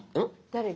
誰が？